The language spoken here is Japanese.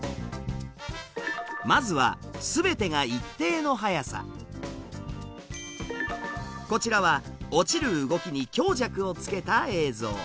まずはすべてがこちらは落ちる動きに強弱をつけた映像。